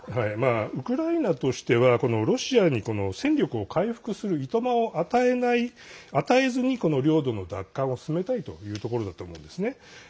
ウクライナとしては、ロシアに戦力を回復するいとまを与えずに領土の奪還を進めたいというところだと思うんですね。